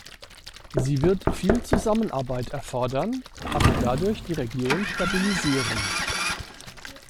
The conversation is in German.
Sie wird viel Zusammenarbeit erfordern, aber dadurch die Region stabilisieren.